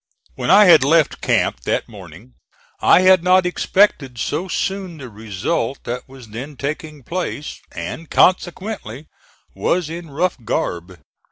When I had left camp that morning I had not expected so soon the result that was then taking place, and consequently was in rough garb.